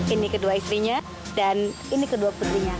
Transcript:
ini kedua istrinya dan ini kedua putrinya